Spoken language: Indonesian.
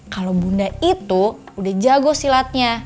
kalau bunda itu udah jago silatnya